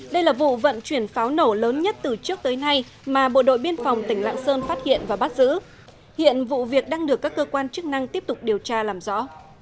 đây là vụ vận chuyển pháo nổ lớn nhất từ trước tới nay mà bộ đội biên phòng tỉnh lạng sơn phát hiện và bắt giữ hiện vụ việc đang được các cơ quan chức năng tiếp tục điều tra làm rõ